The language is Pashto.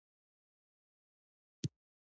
دا احساسات به هم په هغه اندازه شدید وي.